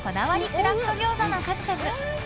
クラフト餃子の数々。